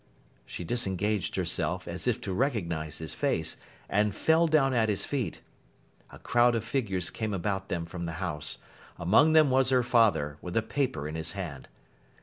She disengaged herself, as if to recognise his face, and fell down at his feet. A crowd of figures came about them from the house. Among them was her father, with a paper in his hand.